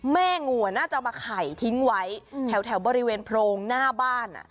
งูน่าจะมาไข่ทิ้งไว้แถวบริเวณโพรงหน้าบ้าน